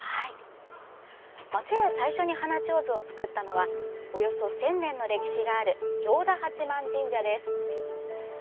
町で最初に花手水を作ったのはおよそ１０００年の歴史がある行田八幡神社です。